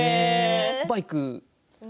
バイクは。